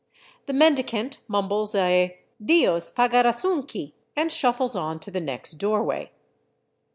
The mendicant mumbles a " Dios pagarasunqui," and shuffles on to the next doorway.